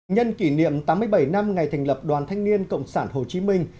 nhân kỷ niệm tám mươi bảy năm ngày thành lập đoàn thanh niên cộng sản hồ chí minh